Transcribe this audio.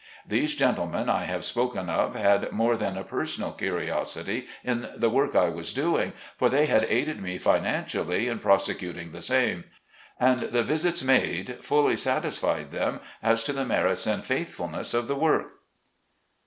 These gentlemen I have spoken of had more than a personal curiosity in the work I was doing, for they had aided me financially in prosecuting the same; and the visits made fully satisfied them as to the merits and faithfulness of the work.